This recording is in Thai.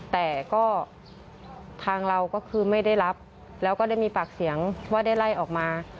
แต่ก็ทางเราก็คือไม่ได้รับแล้วก็ได้มีปากเสียงว่าได้ไล่ออกมา